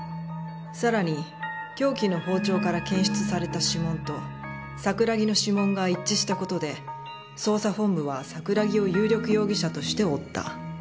「さらに凶器の包丁から検出された指紋と桜木の指紋が一致した事で捜査本部は桜木を有力容疑者として追った」